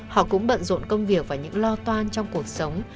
họ cũng bận rộn công việc và những lo toan trong cuộc sống